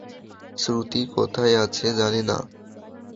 শ্রুতি কোথায় আছে জানি না?